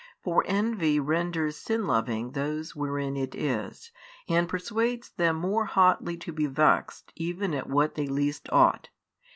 For envy renders sin loving those wherein it is, and persuades them more hotly to be vexed even at what they least ought.